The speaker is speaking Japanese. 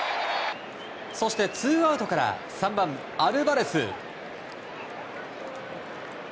そしてツーアウトから３番、アルバレス。